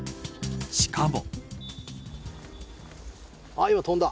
しかも。